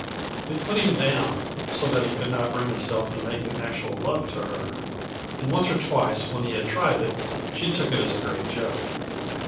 It put him down, so that he could not bring himself to making actual love to her and once or twice when he had tried it, she took it as a great joke.